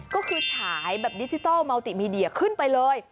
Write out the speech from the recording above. ก็คือฉายแบบดิจิทัลมอลติมีเดียขึ้นไปเลย